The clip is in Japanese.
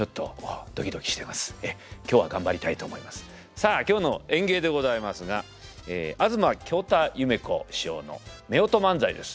さあ今日の演芸でございますが東京太ゆめ子師匠の夫婦漫才です。